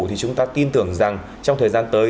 thì chúng ta tin tưởng rằng trong thời gian tới